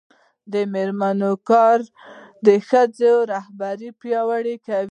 د میرمنو کار د ښځو رهبري پیاوړې کوي.